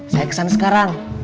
saya kesan sekarang